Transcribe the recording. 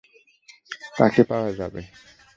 তাকে পাওয়া যাবে।